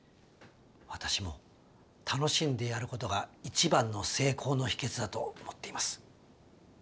私も楽しんでやることが一番の成功の秘けつだと思っています。